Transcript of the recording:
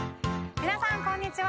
皆さん、こんにちは。